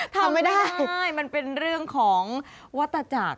ทำไม่ได้ใช่มันเป็นเรื่องของวัตจักร